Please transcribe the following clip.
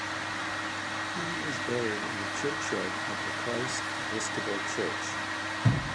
He is buried in the churchyard of Christ Episcopal Church.